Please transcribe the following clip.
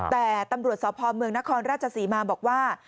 แต่ตำรวจสพเมืองนครราชศรีมาบอกว่า